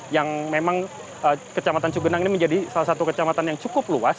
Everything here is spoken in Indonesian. yang memang kecamatan sugenang ini menjadi salah satu kecamatan yang terkena korban hilang